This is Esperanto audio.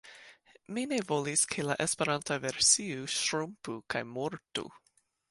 Mi ne volis, ke la Esperanta versio ŝrumpu kaj mortu.